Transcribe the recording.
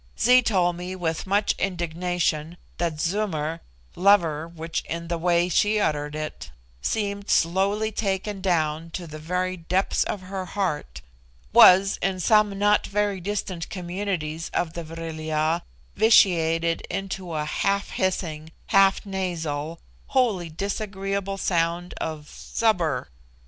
Zee told me with much indignation that Zummer (lover) which in the way she uttered it, seemed slowly taken down to the very depths of her heart, was, in some not very distant communities of the Vril ya, vitiated into the half hissing, half nasal, wholly disagreeable, sound of Subber.